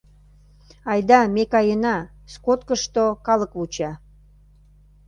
Айда, ме каена, скодкышто калык вуча.